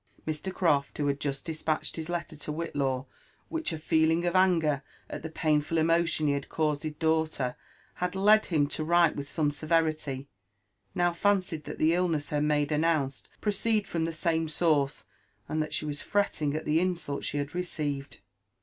Mr. Croft, who had just despatched his letter to Whitlaw, which a feeling of anger at the painful emotion he had caused his daughter had led him to write with some severity, now fancied that the illness her maid announced proceed from the same source, and that she was fretting at the insult she.had receired.